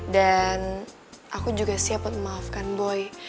dan aku juga siap memaafkan boy